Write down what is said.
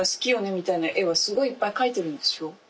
みたいな絵はすごいいっぱい描いてるんですよ。